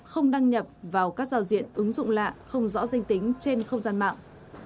không đăng nhập vào các giao diện ứng dụng lạ không rõ danh tính trên không gian mạng